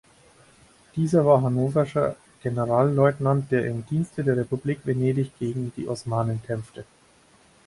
Dieser war hannoverscher Generalleutnant, der im Dienste der Republik Venedig gegen die Osmanen kämpfte.